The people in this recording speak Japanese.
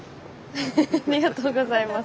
ありがとうございます。